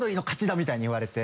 みたいに言われて。